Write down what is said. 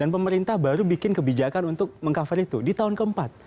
pemerintah baru bikin kebijakan untuk meng cover itu di tahun keempat